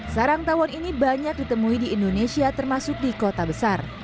sarang tawon ini banyak ditemui di indonesia termasuk di kota besar